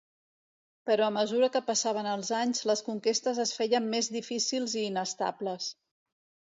Però a mesura que passaven els anys les conquestes es feien més difícils i inestables.